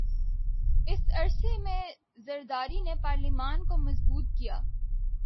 س عرصے میں زرداری نے پارلیمان کو مضبوط کیا